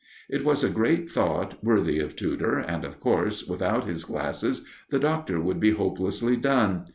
It was a great thought, worthy of Tudor, and, of course, without his glasses the Doctor would be hopelessly done.